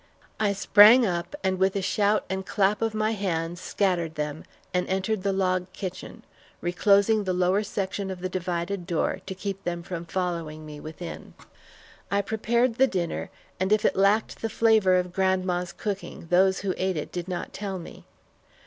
I sprang up and with a shout and clap of my hands, scattered them, and entered the log kitchen, reclosing the lower section of the divided door, to keep them from following me within. I prepared the dinner, and if it lacked the flavor of grandma's cooking, those who ate it did not tell me.